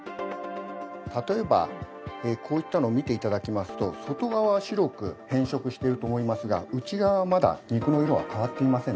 例えばこういったのを見て頂きますと外側は白く変色していると思いますが内側はまだ肉の色は変わっていませんね。